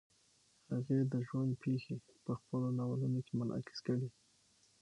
هغې د ژوند پېښې په خپلو ناولونو کې منعکس کړې.